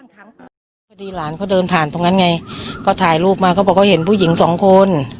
พอดีหลานเขาเดินผ่านตรงนั้นไงก็ถ่ายรูปมาเขาบอกเขาเห็นผู้หญิงสองคน